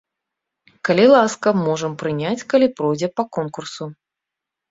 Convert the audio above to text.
Калі ласка, можам прыняць, калі пройдзе па конкурсу.